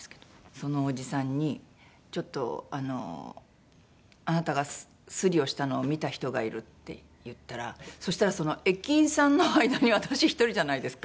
そのおじさんに「ちょっとあなたがスリをしたのを見た人がいる」って言ったらそしたらその駅員さんの間に私１人じゃないですか。